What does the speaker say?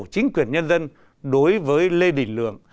chính quyền nhân dân đối với lê đình lượng